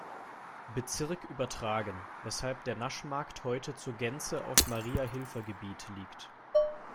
Bezirk übertragen, weshalb der Naschmarkt heute zur Gänze auf Mariahilfer Gebiet liegt.